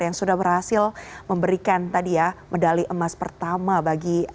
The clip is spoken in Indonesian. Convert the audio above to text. yang sudah berhasil memberikan tadi ya medali emas pertama bagi